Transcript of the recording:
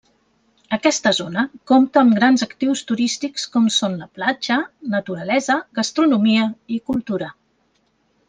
Aquesta zona compta amb grans actius turístics com són la platja, naturalesa, gastronomia i cultura.